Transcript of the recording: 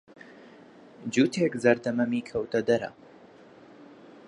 جووتیک زەردە مەمی کەوتەدەرە.